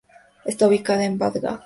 Está ubicada en Bagdad.